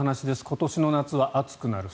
今年の夏は暑くなる。